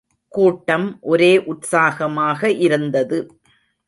கூட்டம் ஒரே உற்சாகமாக இருந்தது.